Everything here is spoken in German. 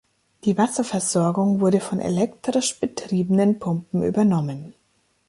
Die Wasserversorgung wurde von elektrisch betriebenen Pumpen übernommen.